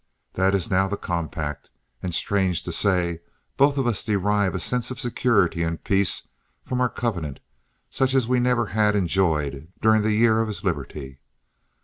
That is now the compact, and, strange to say, both of us derive a sense of security and peace from our covenant such as we had never enjoyed during the year of his liberty.